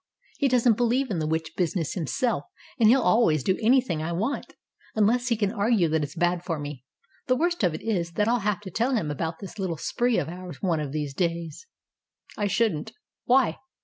He doesn't believe in the witch business himself, and he'll always do anything I want unless he can argue that it's bad for me. The worst of it is that I'll have to tell him about this little spree of ours one of these days." "I shouldn't. Why?"